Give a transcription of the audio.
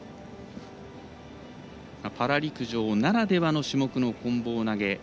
パラ陸上ならではの種目こん棒投げ。